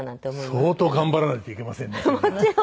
相当頑張らないといけませんね。